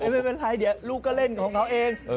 ไม่เป็นไรเดี๋ยวลูกก็เล่นของเขาเอง